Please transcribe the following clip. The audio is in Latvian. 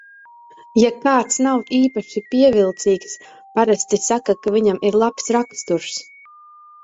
Ja kāds nav īpaši pievilcīgs, parasti saka, ka viņam ir labs raksturs.